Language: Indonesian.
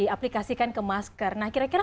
diaplikasikan ke masker nah kira kira